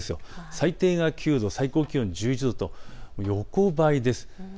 最低が９度、最高気温が１１度と横ばいです。